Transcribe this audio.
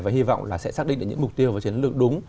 và hy vọng là sẽ xác định được những mục tiêu và chiến lược đúng